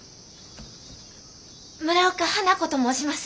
村岡花子と申します。